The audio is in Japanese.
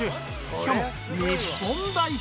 しかも日本代表。